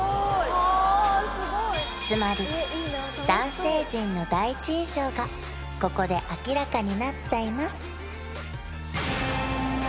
つまり男性陣の第一印象がここで明らかになっちゃいます